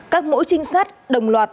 các mũ trinh sát đồng loại